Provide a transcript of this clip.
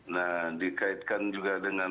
nah dikaitkan juga dengan